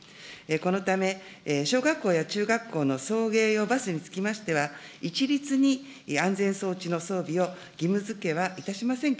このため、小学校や中学校の送迎用バスにつきましては、一律に安全装置の装備を義務づけはいたしません